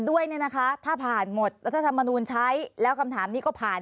ด้วยเนี่ยนะคะถ้าผ่านหมดรัฐธรรมนูลใช้แล้วคำถามนี้ก็ผ่าน